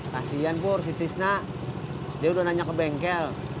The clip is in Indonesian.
kasian pur si tisak dia udah nanya ke bengkel